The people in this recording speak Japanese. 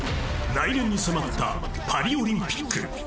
来年に迫ったパリオリンピック。